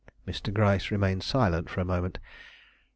Mr. Gryce remained silent for a moment.